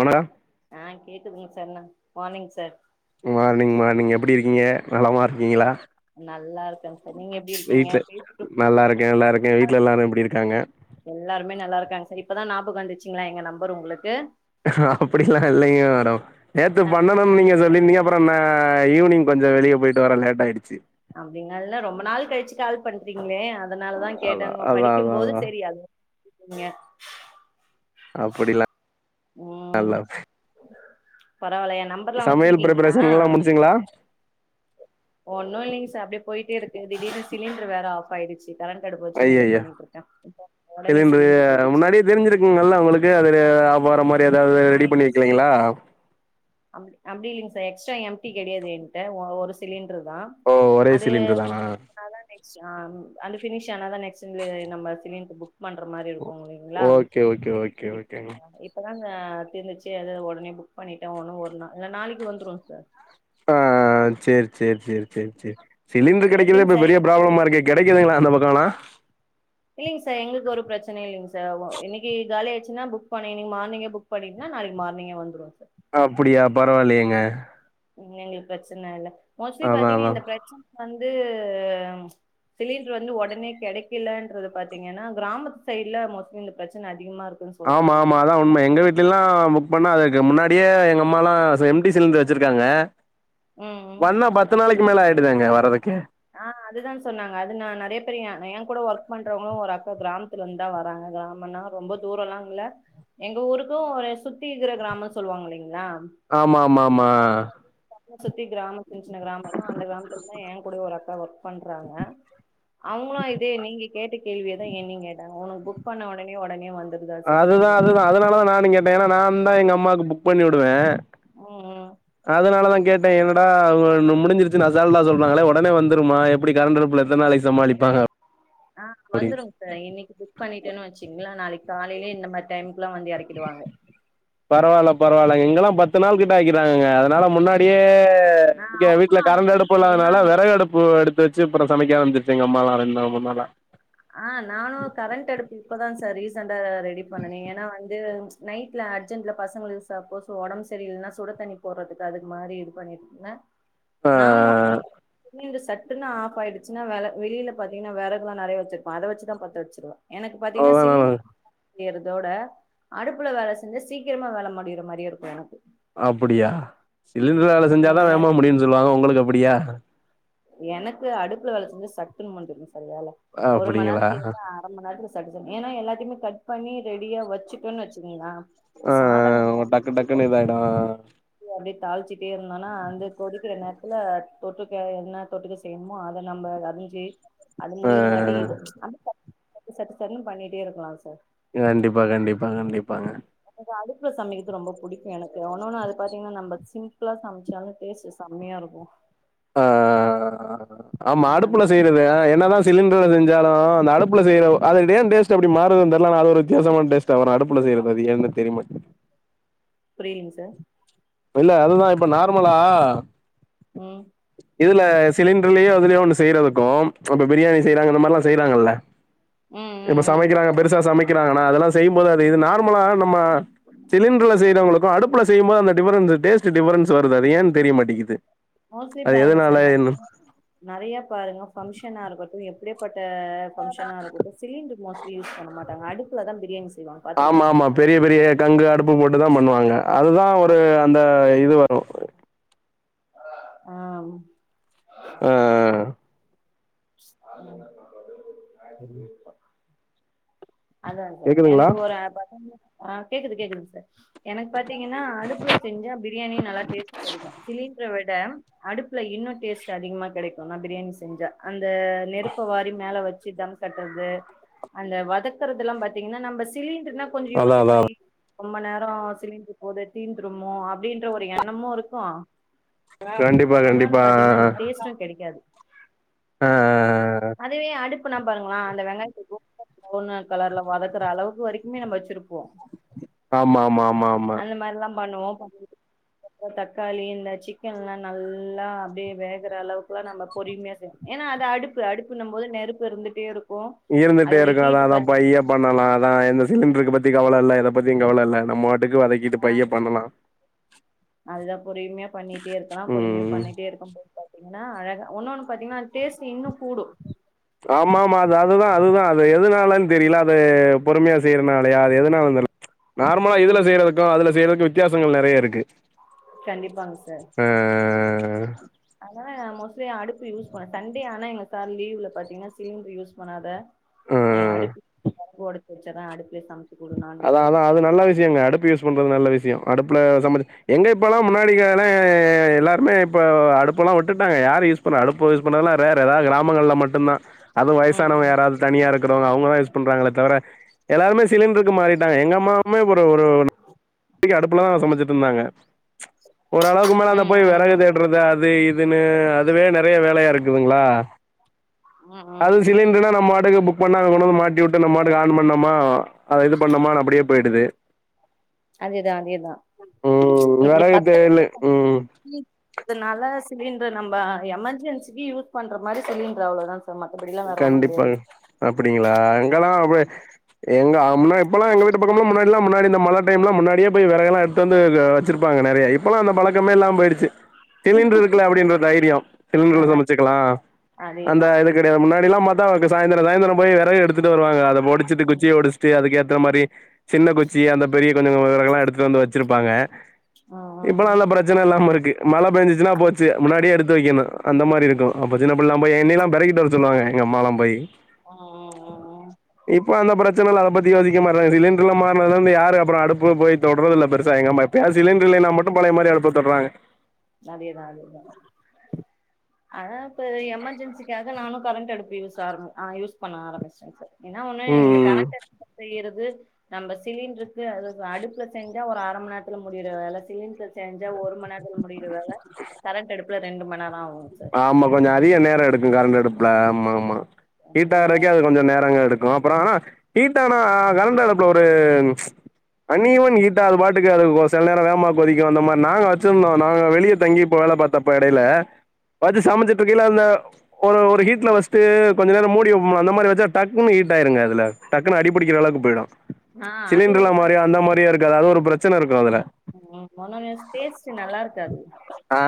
ஓனரா ஆ கேக்துங்க sir morning sir morning morning எப்படி இருக்கீங்க நலமா இருக்கீங்களா நல்லா இருக்கேங்க சார் நீங்க எப்டி இருக்கீங்க வீட்ல பேச நல்லா இருக்க நல்லா இருக்க வீட்ல எல்லாரு எப்டி இருக்காங்க செரி இப்பதா ஞாபகவந்துச்சுங்களா எங்க நம்பர் உங்களுக்கு அப்டில்லா இல்லிங்க மேடம் நேத்து ஆ பண்ணணுன் நீங்க சொல்லிருந்தீங்க அப்புறோ நா ஈவினிங் கொஞ்ச வெளிய போயிட்டு வர லேட் ஆயிடுச்சு அப்டிங்ளா இல்ல ரொம்ப நாள் கழிச்சு கால் பண்றீங்களே அத் அதனாலதா அதா கேட்டோங்க அதா படிக்கும் அதா போது அதா சேரி அது ங்க அப்டிலா அல்லா பரவால்ல எ நம்பர்ல்லா வெச்சிருக்கீங்களா முடிச்சிங்களா ஒன்னு இல்லிங்க சார் அப்டியே போயிட்டே இருக்கு திடீர்னு சிலிண்டுரு வேற ஆஃப் பாயிடுச்சு அய்யய்ய ஒடனே சிலிண்ரு சிலிண்டர் போயிடுச்சு முன்னாடியே தெரிஞ்சிருக்கும்ல உங்களுக்கு அதுல போறமாரி ஏதாவது ஆ ரெடி பண்ணி வெக்கேலங்ளா அப்டி இல்லிங்க சார் எக்ஸ்ட்ரா எம்டி கெடயாது எங்கிட்ட ஒரு சிலிண்ட ஓ ஒரே அதே சிலிண்டர் தானா அ அ அந்த பினிஷ் ஆன தா நெக்ஸ்ம்ப்லு நம்ம சிலிண்ட்ரு பு பண்ற மாரி இருக்கு இல்லைங்ளா ஓகே ஓகே ஓகே ஓகேங்க இப்ப அதாங்க தீந்துருச்சு அதா உடனே புக் பண்ணிட்டு ணும் ஒரு நா இல்ல நாளைக்கு வந்துரு சார் ஆ சேரி சேரி சேரி சேரி சேரி சிலிண்டர் கெடக்கிறதே எப்டிங்க இப்ப சார் பெரிய எங்க ப்ராப்ளமா இருக்கே கெடைக்குதுங்ளா அந்தபக்கோலா இல்லிங்க சார் எங்களுக்கு ஒரு பிரச்சனையு இல்லிங்க சார் இன்னைக்கு காலியாச்சுன்னா புக் பண்ணி இன்னைக்கு மார்னிங்கே புக் பண்ணிங்னா நாளைக்கு மார்னிங்கே வந்துரு சார் அப்டியா பரவாயில்லையேங்க எங்களுக்கு பிரச்சன இல்ல மோஸ்ட்லி அதா பாத்தீங்க அதா இந்த பிரச் வந்து சிலிண்டர் வந்து உடனே கிடக்கலன்றது பாத்தீங்னா கிராமத்து சைடுல மோஸ்ட்லி இந்த பிரச்சன அதிகமா இருக்குன்னு ஆமா சொல்றாங்க ஆமா அதா உண்மை எங்க வீட்ல எலா பண்ணா அதுக்கு முன்னாடியே எங்க அம்மாலா எம்டி சிலிண்டர் வெச்சிருக்காங்க ம் ம் வந்தா பத்து நாளைக்கு மேல ஆயிடுதேங்க வரதுக்கு ஆ அதுதா சொன்னாங்க அது நா நெறய பேர் ஏ கூட ஒர்க் பண்றவங்களு ஒரு அக்கா கிராம்த்ல இருந்து தா வராங்க கிராமனா ரொம்ப தூர எல்லா இல்ல எங்க ஊருக்கு ஒரு சுத்தி இருக்ற கிராமம்னு சொல்லுவாங்க இல்லிங்ளா ஆமா ஆமா ஆமா சுத்தி கிராம சின்னச்சின்ன கிராம இருக்கு அந்த கிராமத்து ஏங்கூடவே ஒரு ஆமா [unintelligible] பண்றாங்க அவங்களு இதே நீங்க கேட்ட கேள்வியதா என்னயு கேட்டாங்க உனக்கு புக் பண்ண ஒடனே ஒடனே வந்து அதுதா அதுதா அதனாலதா நானு கேட்டே ஏனா நான் இப்ப எங்க அம்மாக்கு புக் பண்ணிடுவே ம் ம் அதனாலதா கேட் என்னடா அவ முடிஞ்சிருச்சுனு அசால்ட்டா சொல்றாங்ளே உடனே வந்துருமா எப்டி கரண்ட் அடுப்ல எத்தனாளைக்கு சமாளிப்பாங்க ஆ வந்துருங் சார் இன்னைக்கு புக் பண்ணிட்டேனு வச்சீங்ளே நாளைக்கு காலைலேயா இந்த மாரி டைமுக்குல்லா வந்து எறக்கிடுவாங்க இப்ப எல்லா பத்து நாள் கிட்ட ஆக்கிறாங்கங்க அதனால முன்னாடியே ஆ ங்க இங்க வீட்ல அவங்களும் கரண்ட் அதுதான் அடுப்பு இல்லாதனால சொன்னாங்க வெறகு அடுப்பு எடுத் வச்சுப்புற சமைக்கா வந்துச்சுங்க அம்மாலா ரென் மூன் நாளா ஆ நானு கரண்ட் அடுப்பு இப்பதா சார் ரீசண்டா ரெடி பண்ணனே ஏனா வந்து நைட்ல அர்ஜென்ட்ல பசங்களுக்கு சப்போஸ் உடம்பு சரி இல்லன்னா சுட தண்ணி போடறதுக்கு அதுக்கு மாரி இது பண்ணிருந்த ஆ நா மோஸ்ட்லி [unintelligible] சட்டுனுஆஃப் ஆயிச்சன்னா வெளில பாத்தீன்னா விறகுெல்ல நறைய வச்சிரு அத வச்சு தா பத்த வச்சுடுவே எனக்கு பாத்தீங்கன்னா சிலி அதான் செய்றதோட அடுப்புல வேல செஞ்ச சீக்கிரமா வேல முடியற மாரியே இருக்கும் எனக்கு அப்டியா டெய்லி வேல ம் செஞ்சாதா ஏன்னா வேகமா முடியும்ன்ன சொல்லுவாங்களுக்கு அ உங்களுக்கு அப்டிய ம் எனக்கு அடுப்புல வேல செஞ்ச சட்டுனு முடிஞ்சுரு வேல ஒரு மண் அப்படிங்களா நேர அர மண் நேரத்துல சட் சட்டுனு ஏன்னா எல்லாத்தையமே கட் பண்ணி ரெடியா வச்சுட்டோன்னனு வச்சக்கங்களா இப்ப ஆ சாதம் டக்கு வெந்தாங்க டக்குன்னு இதாயிடும் அப்டியே தாளிச்சுட்டே இருந்தனா அந்த கொதிக்கற நேரத் இல்ல போட்டோ கேயன் என்ன தொட்டுக்க செய்யணுமோ அத நம்ப அரிஞ்சு அது ஆ முடியருங்காட்டி இது சட் சட் சட்ன்னு பண்ணிட்டே இருக்கலா சார் கண்டிப்பா கண்டிப்பா கண்டிப்பாங்க ஏன அடுப்புல சமைக்கறது ரொம்ப புடிக்கும் எனக்கு ஒன்ன ஒன்னு அது பாத்தீங்கன்னா நம்ப சிம்புளா சமைச்சாலும் டேஸ்ட் செம்மையா இருக்கும் அ ஆ ஆ ஆமா ம் அந்த அடுப்புல மாரி செய்றது அ என்னதா சிலிண்டர்ல செஞ்சாலு அந்த அடுப்புல செய்யறது அது ஏ டேஸ்ட் அப்டி மாறுதுன் தெரில ஒரு வித்தியாசமான டேஸ்ட்ட. வரும் அடுப்புல செய்யற அது ஏன்னு தெரியமாட்டி புரியலீங்க சார் இல்ல அதுதா இப்ப நார்மலா ம் இதுல சிலிண்டர்லயே அதுலயே ஒண்ணு செய்றதுக்கும் அப்ப பிரியாணி செய்யறங்க அந்த மாரிலா செய் இருக்காங்கல்ல ம் ம் இப்ப ம் சமைக்கறாங்க பெருசா சமைக்கறாங்கன்னா அதெல்லா செய்ம் போதாது நார்மல நம்ம சிலிண்டர்ல செய்றவங்களுக்கு அடுப் அடுப்புல செய்போது அந்த டிஃப்பரன்ஸ் டேஸ்ட் டிஃப்பரன்ஸ் வருது ஏன் தெரியமாட்டிங்கது மோஸ்லி பாருங்க சார் நெறைய பாருங்க பங்சனா இருக்கட்டு எப் அப்டியே போட் த பங்க்ஷனா இருக்கட்டு சிலிண்டர் மோஸ்ட்லி யூஸ் பண்ண மாட்டாங்க அடுப்புலதா பிரியாணி செய்வாங்க பாத்திருக்கீங்களா ப்பு போட்டுதா பண்ணுவாங்க அதுதா ஒரு அந்த இது வ ஓ ஆம் ஆ [inaudible] ம் அதா அதா எனக்கு ஒரு பத்தாங் ஆ கேக்குது கேக்குதுங் சார் எனக்கு பாத்தீங்கன்னா அடுப்புல செஞ்சா பிரியாணி நல்லா டேஸ்ட் கெடைக்கு சிலிண்டர வி விட அடுப்புல இன்னு டேஸ்ட் அதிகமா கெடைக்குல்ல பிரியாணி செஞ்சா இந்த நெருப்பு வாரி மேல வெச் சு தம் கட்றது அந்த வதக்கறதுதெல்லாம் பாத்தீங்கன்னா நம்ப சிலிண் டர்னா கொஞ்சோ அதான் அதான் யோசிபாயி ரொம்ப நேர சிலின்டர் போது தீந்துருமோ அப்டின்ற ஒரு எண்ணமு இருக்கு கண்டிப்பா இன்னொன்னு கண்டிப்பா பாத்தீங்கன்னா அந்த டேஸ்ட்டும் கெடைக்காது ஆ, அதுவே அடுப் புன்னா பாருங்களா அந்த வெங்காயத் பிரவுன் கலர்ல வதக்குற அளவுக்கு வரைக் எப்புமே நம்ம வெச்சுருப்போ ஆமா ஆமா ஆமா ஆமா மாரில்லா பண்ணுவோ தக்காளி இந்த சிக்கன்லா நல்லா அப்டியே வேகற அளவுக் நல்லா நம்ம பொரிமியா செய் ஏன்னா அது அடுப்பு அடுப்புனும் போது நெருப்பு இருந்துட்டே இருக் இருந்துட்டே இருக்கு அதா அதா பைய பண்ணலா அதா எந்த சிலிண்டருக்கு பத் பத்தி கவல இல்ல எத பத்தியு கவல இல்ல நம்ம பாட் டுக்கு வதக்கிட்டு பைய பண்ணுனா அதுதா பொறுமையா பண்ணிட்டே இருக்கலா பொறுமையா ம் பண்ணிட்டே இருக்கும் போது பாத்தீங்கன்னா அழகா ஒன்னொன்னு பாத்தீங்கன்னா டேஸ்ட் இன்னு கூடு ஆமா ஆமா அது அதுதா அதுதா அது எதுனாலன் தெரியல அது பொறுமையா செய்யறனாலயா அது எதுனாலன் தெர்ல நார்மலா இதுல ம் செய்யறதுக்கு அதுல செய்யறதுக்கு வித் வித்தியாசங்கள் நெறைய இருக்கு கண்டிப்பாங்க சார் ஆ, அதுதா மோஸ் லி அடுப்பு யூஸ் பண் சண்டே ஆனா எங்களுக் சார் லீவ்ல பாத்தீங்கன்னா சிலிண்டர் யூஸ் பண்ணாத எ ஆ. அடுப்பு ஒடச்சு வெச்சுர்ற அடுப்புலயே சமச் அதா அதா அது நல்ல விஷ்யோங்க அடுப்பு யூஸ் பண்றது நல்ல விஷ்யோ அடுப்புல சமச்சு எங்க இப்பெல்லா முன்னாடிகாண எல்லாருமே இப்போ அடுப்பெல்லா உட்டுட்டாங்க யாரு யூஸ் பண்ணுவாங்க அடுப்பு யூஸ் பண்ணுறதெல்லா றேரு ஏதாவது கிராமங்கள்ல மட்டுந்தா அதுவு ம் வயசானவங்க ம் யாராவது தனியா இருக்குறவங்க அவங்கதா யூஸ் பண்றாங்களே தவர எல்லாருமே சிலிண்ரு மாறிட்டாங்க எங்க அம்மா மே ஒரு ஒரு அடுப் அடுப்லதா சமச்சுட்டு இருந்தாங்க ஓரளவுக்கு மேல அந்த போய் ம் வெறகு ம் தேடுறது அது இது அதுன்னு அதுவே நெறைய வேலையா இருக்குதுங்களா ம் ம் ம் அது சிலிண்டர்னா நம்ம வாட்டுக்கு புக் பண்ணாங்க கொண்டு வந்து மாட்டி உட்டு நம்ம வாட்டுக்கு ஆன் பண்ணோமா அத இது பண்ணோமான்னு அப்படியே போயிடுது அதேதா அதேதா ம் இப்டி விறகு பத்து தேய்லு வருஷோ ம் இதனால சிலிண்டர் நம்ப எமர்ஜென்சிக்கு யூஸ் பண்ற மாரி சிலிண்டரு அவ்வளோதா கண்டிப்பாங்க அப்டிங்களா அங்கல்லா அப்புடி ஆ எங்க அம்மா இப்பெல்லா எங்க வீட்டு பக்கம்லா முன்னாடி எல்லாம் முன்னாடி இந்த மழ டைம்லா முன்னாடியே போய் வெறகு எல்லா எடுத்து வந்து வெச்சுருப்பாங்க நெறைய இப்பெல்லா அந்த பழக்கமேல்லாம போயிருச்சு சிலெண்டர் இருக்குல அப்டின்ற தைரியோ ஆ சிலெண்டர்ல சமச்சுக்கலா அந்த அதேதா இதுக்கு முன்னாடி எல்லாம் பாத்தா சாயிந்துரோ சாயிந்துரோ போய் வெறகு எடுத் துட்டு வருவாங்க அத பொடிச்சுட்டு குச்சிய ஒடுச்சுட்டு அதுக்கேத் இந்த மாரி சின்ன குச்சி அந்த பெரிய கொஞ்சோ வெறகெல்லா எடுத்துட்டு வந்து வெச்சுருப்பாங்க ம் இப்பல்லா ம் எல்லா பிரச்சன இல்லாம இருக்கு மழ பேஞ்சுச்சுன்னா போச்சு முன்னாடியே எடுத்து வெக்கணு அந்த மாரி இருக்கு அப்போ சின்ன புள்ளைளாம் போயி என்னெயில்லாம் பெருக்கிட்டு வரச் சொல்வாங்க எங்க அம்மால்லாம் போயி ம் ம் ம் இப்போ அந்த பிரச்சனல்ல அத பத் தியோசிக்க மாட்றாங்க சிலிண்டர்ல மாறுனதுலந்து யாரு அப்றொ அடுப்பு போய் தொட்றதில்ல பெருசா எங்கம்மா எப்பயாது சிலிண்டர் இல்லைனா மட்டு பழய மாரி அடுப்ப தொட்றாங்க அதேதா அதேதா அதா இப்ப எமர்ஜென்சிக்காக நானு கரண்ட் அடுப்பு யூஸ் ஆர ஆ யூஸ் பண்ண ஆரமிச்சாச்சு என்னா ஒன்னு ம் இந்த ம் கரன்ட் அடுப்புல செய்யறது நம்ப சிலிண்ட்ருக்கு அத அடுப்புல செஞ்சா ஒரு அர மண் நேரத்துல முடியிற வேல சிலிண்ட்ரு செஞ்சா ஒரு மண்நேரத்துல முடியு ல கரண்ட் அடுப்புல ரெண்டு மண் நேர ஆவு ஆமா கொஞ்ச அதிக நேர எடுக்கு கரண்ட் அடுப்புல ஆமாமா ரொம்ப நேரோ ஹீட்டாகுறதுக்கே அது கொஞ்ச நேர எடுக்கு அப்பறோ ஹீட்டானா கரண்ட் அடுப்புல ஒரு அன் ஈவன் ஹீட்டா அது பாட்டுக்கு அது செல நேரொ வேகமா கொதிக்கு அந்த மாரி நாங்க வச்சுருந்தோ நாங்க வெளிய‌ தங்கி ப வேல பாத்தப்ப எடைல வச்சு சமச்சுட்ருக்கேல அந்த ஒரு ஒரு ஹீட்ல வச்ட்டு கொஞ்ச நேர மூடி வப்பொம்ல அந்த மாரி வச்சா டக்குனு ஹீ்ட் ஆயிருங்க அதுல டக்குனு அடிப்புடிக்கிற அளவுக்கு போயிடு ம் ஆ அது சிலிண்டர்ல உண்ம மாரி அந்த மாரிய இருக்காது அது ஒரு பிரச்சனரு ம் [unintelligible] டேஸ்ட்டு நல்லாருக்காது ஆ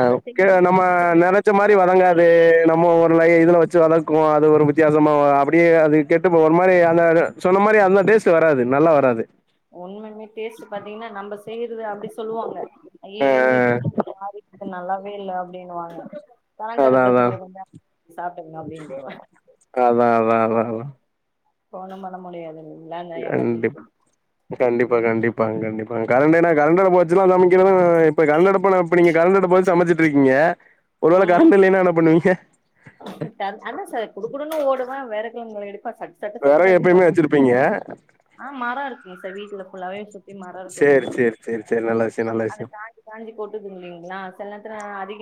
நம்ம கே செய்றது நம்ம நெனச்ச மாரி வதங்காது நம்ம ஒரு லை இதுல வச்சு வதக் குவோ அது ஒரு வித்தியாசமா அப்டியே அது கெட்டுபோ ஒரு மாரி அந்த சொன்ன மாரி அந்த டேஸ்ட்டு வராது நல்லா வராது உண்மைலுமே டேஸ்ட்டு பாத்தீங்கன்னா நம்ப செய்றது அப்டி சொல்வாங்க அய்ய ஆ இன்னக்கி என்ன ஒரு மாரி நல்லாவே இல்ல அ அப்புடின்னுவாங்க கரண்ட் அதா அடுப்புல அதா செஞ்ச கொஞ்சொ சாப்ட்டுக்கங்க அப்டின்றுவ அதா அதா அதா அதா ஃபோனும் பண்ணமுடியாதுல் கண்டிப் கண்டிப்பா ம் கண்டிப்பாங்க கண்டிப் பாங் கரண்ட் ஏனா கரண்ட் அடுப்பு வச்சல்லா சமக்கிறது இப்ப கரண்ட் அடுப்புனா இப்ப நீங்க கரண்ட் அடுப்பு வச்சு சமச்சுட்ருக்கீங்க ம் த அதா சார் குடுக்குடுன்னு ஓடுவே வெற குங்க எடுத் தா சட்டு சட்டு சட்டு வெறகு சட்டுனு எப்பயுமே பாத்துவுட்ருவே வச்சிருப்பீங்க ஆ மர இருக்குங் சார் வீட்ல ஃபுல்லாவே [unintelligible] சுத்தி மரோ சேரி இருக்குதன்றத சேரி சேரி சேரி நல்ல விஷயோ நல்ல அத விஷயோ காஞ்சி காஞ்சி கொட்டுதுங்களீ நா சில நேரத்துல நா அதி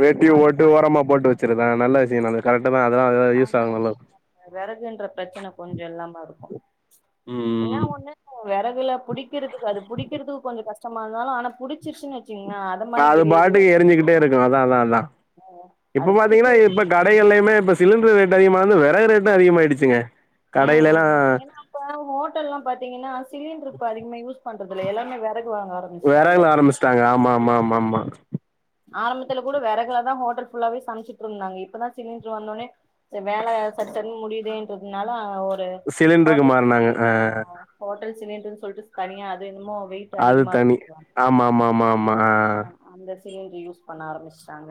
வேட்டியு அது ஓட்டு ஓரமா போட்டு வச்சிருத நல்ல விசயந்தா அது கரெக்ட் தான் அதெல்லாம் அதெல்லா யூஸ் ஆன ஆகும் நல்ல விறகுன்ற பிரச்சனை கொஞ்சோ இல்லாம இருக்கு என்ன ம் ஒண்ணு விறகுல புடிக்கிறதுக்கு அது புடிக்கிறதுக்கு கொஞ்சோ கஷ்ட டமா இருந்தாலு ஆன புடிச்சிருச்சுனு வச் நா அது பாட்டுக்கு எரிஞ்சுக்கிட்டே இருக்கீ அதா அதா அதா இப்ப அது பாத்தீங்கன்னா புடிக்க இது இப்ப கடையல்லயுமே இப்ப சிலிண்டர் ரேட் அதிகமாந்து விறகு ரேட்டு அதிகமா ஆயிடுச்சுங்க உ உ ஏன்னா இப்ப ஹோட்ல்லா பாத்தீங்கன்னா சிலிண்டரு இப்ப அதிகமா யூஸ் பண்றதுல்ல எல்லாமே வெறகு வாங்க ஆரம்பிச்சுட்டாங்க வெறகுல ஆரமிச்சிட்டாங்க ஆமா ஆமா ஆமா ஆமா ஆரம்பத்துல கூட வெறகுல தா ஹோட்டல் ஃபுல்லாவே சமைச்சுட்டு இருந்தாங்க இப்பதா சிலிண்டர் வந்தோனே வேல சர்சர் முடியுதுன்றதுனால சிலிண்டருக்கு மாறுனாங்க ஆ சிலிண்டறுனு சொல்லிட்டு தனியா அது என்னமோ வெயிட் அது அதிகமா தனி இருக்குங்களா ஆமா மா மா ஆ சிலிண்டர் யூஸ் பண்ண ஆரம்மிச்சிட்டாங்க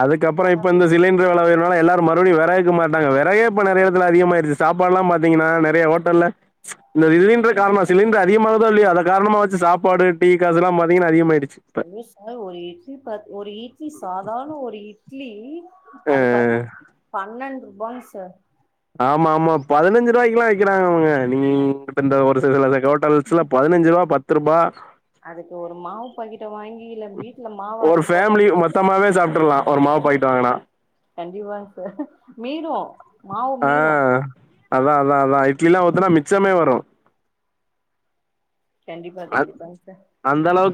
அதுக்கப்பறோ இப்ப இந்த சிலிண்டர் வெல உயர்வுநால எல்லாரு மறுபடியு வெறகுக்கு மாரிட்டாங்க வெறகே ப்ப நெறைய எடத்துல அதிகமாயிருச்சு சாப்பாடுலா பாத்தீங்கனா நெறையா ஹோட்டல்ல ச் இந்த இலின்டர் காரணோ சிலிண்டர் அதிகமாகுதோ இல்லயோ அத காரணமா வச்சு சாப்பாடு டீ காசுல்லாம் பாத்தீங்கன்னா அதிகமாயிடுச்சு இப்ப ஐயோ சார் ஒரு இட்லி பாத் ஒரு இட்லி சாதார்ண ஒரு இட் ட்லீ அ அது பாத் பன்னெண்டு [inaudible] பௌன்சர் ஆமா மா பதினஞ்சு ரூவாய்க்குலா விக்கிறாங்கவுங்க நீங்க [unintelligible] இந்த ஒரு சில ஹோட்டல்ஸ்ல பதினஞ்சுரூவா பத் த்ருபா அதுக்கு ஒரு மாவு பாக்கெட்ட வாங்கி கீல வீட்ல ஒரு மாவாரச்சு ஃபேமிலி போட்டாலே மொத்தமாவே சாப்ட்றலாம் ஒரு மாவு பாக்கெட் வாங்குனா கண்டிப்பா சார் மீரு மாவு மீரு அதா அதா அதா இட்லிலா ஊத்துனா மிச்சமே வரு கண்டிப்பா கண்டிப்பாங் சார்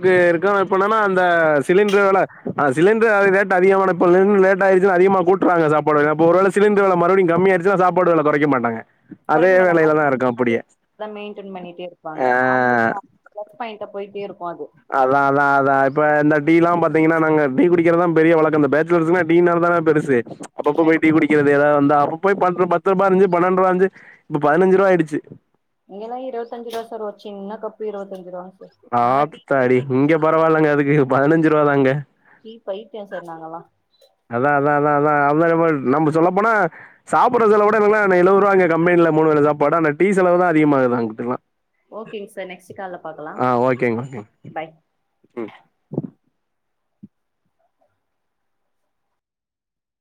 தே இருக்கு இப்ப என்னனா அந்த சிலின்று வெல அ சிலின்று ரேட்டு அதிகமான இப்பலேந் லேட்டாச்னா அதிகமா கூற்றுவாங்க சாப்பாட அம்போரால சிலின்று வெல மறுபடியு கம்மியச்சுனா சாப்பாடு வெல கொறக்க மாட்டாங்க அதே கொறக்க மாட்டங்க அது வேலையில தான் இருக்கும் அப்படியே அதே மெயின்டன் பண்ணிட்டே ஆ இருப்பாங்க அவுங்ளுக்கு ப்ளஸ் பாய்ன்டா போய்டே இருக்கு அது ஆ இப்ப இந்த டீலா பாத்தீங்கனா நாங்க டீ குடிக்கிறதா பெரிய வழக்கம் இந்த பேச்சுலர்ஸ்ன டீனாலதானே பெருசு அப்பப்ப போயி டி கண்டிப்பா குடிக்கறது ஏதாது வந்த போய் பத்து பத்து ரூபாருந்சு பன்னான்டு ரூபாருந்சு இப்ப பதிஞ்சிரூவாய்டுச்சு எங்கல்லா இருத்தஞ்சுரூவா சார் ஒரு சின்னா கப்பு இருபத்தஞ்சு ரூபாங் சா ஆத்தாடி இங்க பரவாலங்க அதுக்கு பதினஞ்சு ரூவா தாங்க டீ பைதிய சார் நாங்கலா அத [unintelligible] நம்ப சொல்ல போனா சாப்புடற செலவ விட எழுரூவா எங்க கம்பெனில மூணு வேல சாப்பாடு ஆனா டீ செலவு தா அதிக ஆகுது அங்குட்லா ஓகேங் சார் நெக்டு கால ஆ ஓகேங் ஓகேங் ம்